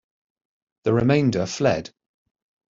The remainder fled.